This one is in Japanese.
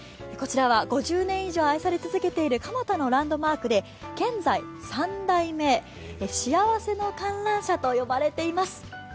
こちらは５０年以上愛され続けている蒲田のランドマークで現在、３代目幸せの観覧車と呼ばれています。